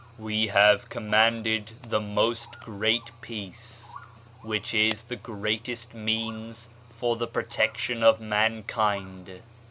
" We have commanded the Most Great Peace, which is the greatest means for the protection of mankind.